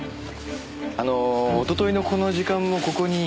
あのおとといのこの時間もここにいましたか？